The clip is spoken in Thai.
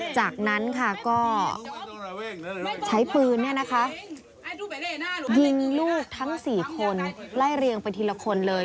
จากนั้นค่ะก็ใช้พื้นเนี่ยนะคะยิงลูกทั้งสี่คนไล่เรียงไปทีละคนเลย